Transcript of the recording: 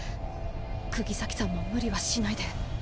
釘崎さんも無理はしないで。